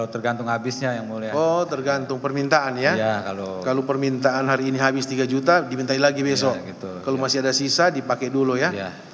tergantung habisnya oh tergantung permintaan ya kalau permintaan hari ini habis tiga juta dimintai lagi besok kalau masih ada sisa dipakai dulu ya